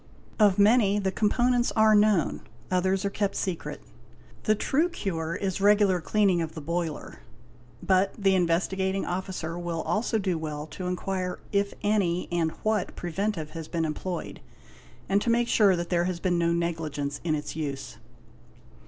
Of many the components are known, others are kept secret. The true cure is regular cleaning of the boiler, but the Investigating Officer will also do well to inquire if any and what preventive has been employed; and to make sure that there has been no negligence in its use.